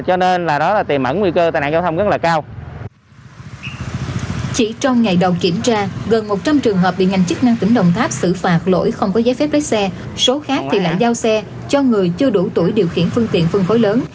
số khác thì lại giao xe cho người chưa đủ tuổi điều khiển phương tiện phân khối lớn